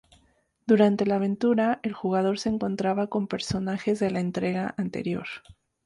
Durante la aventura, el jugador se encontraba con personajes de la entrega anterior.